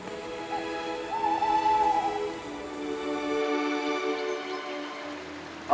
terima kasih ibu bunda